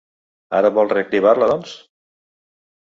Ara vol reactivar-la, doncs?